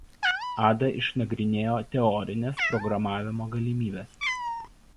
Ada išnagrinėjo teorines programavimo galimybes.